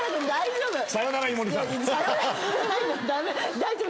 大丈夫！